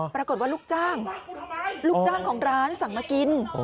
ปรากฏว่าลูกจ้างลูกจ้างของร้านสั่งมากิน